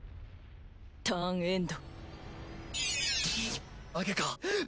ターンエンド。